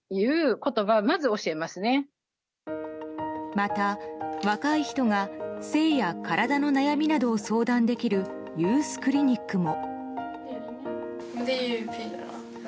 また、若い人が性や体の悩みなどを相談できるユースクリニックも。